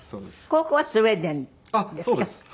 高校はスウェーデンですか？